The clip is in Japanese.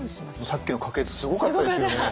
さっきの家系図すごかったですよね。